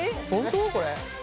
これ。